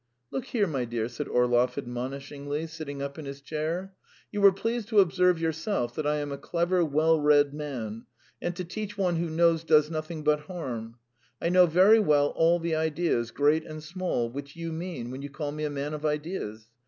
"Look here, my dear," said Orlov admonishingly, sitting up in his chair. "You were pleased to observe yourself that I am a clever, well read man, and to teach one who knows does nothing but harm. I know very well all the ideas, great and small, which you mean when you call me a man of ideas.